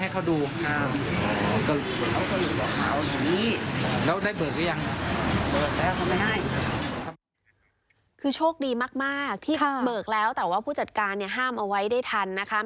คือโชคดีมากที่เบิกแล้วแต่ว่าผู้จัดการเนี่ยห้ามเอาไว้ได้ทันนะคะ